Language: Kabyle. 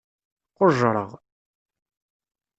Qujjṛeɣ.